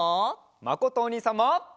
まことおにいさんも！